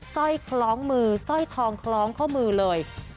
สร้อยคล้องมือสร้อยทองคล้องข้อมือเลย